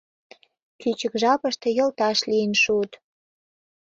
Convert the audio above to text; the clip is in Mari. Кӱчык жапыште йолташ лийын шуыт.